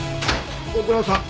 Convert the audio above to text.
ご苦労さん。